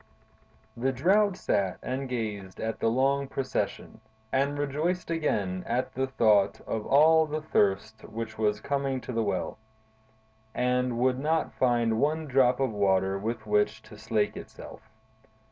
The Drought sat and gazed at the long procession, and rejoiced again at the thought of all the thirst which was coming to the well, and would not find one drop of water with which to slake itself.